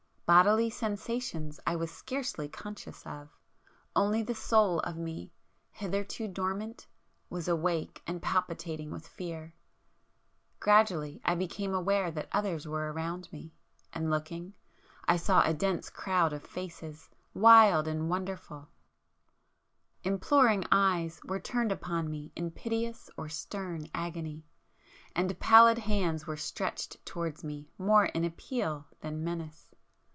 Bodily sensations I was scarcely conscious of;—only the Soul of me, hitherto dormant, was awake and palpitating with fear. Gradually I became aware that others were around me, and looking, I saw a dense crowd of faces, wild and wonderful,—imploring eyes were turned upon me in piteous or stern agony,—and pallid hands were stretched towards me more in appeal than menace.